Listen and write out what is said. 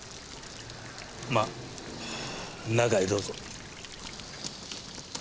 まあ中へどうぞ。